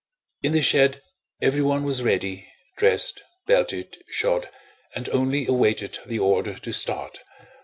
In the shed everyone was ready, dressed, belted, shod, and only awaited the order to start.